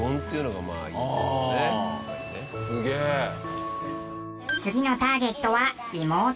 次のターゲットは妹。